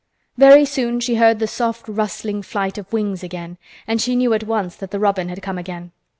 Very soon she heard the soft rustling flight of wings again and she knew at once that the robin had come again.